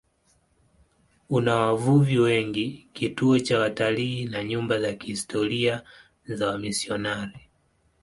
Una wavuvi wengi, kituo cha watalii na nyumba za kihistoria za wamisionari.